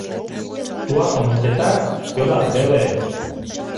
Суасым ончетат, ӧрат веле.